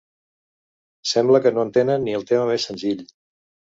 Sembla que no entenen ni el tema més senzill.